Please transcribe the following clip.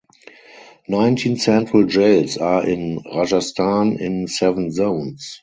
Nineteen Central Jails are in Rajasthan in seven zones.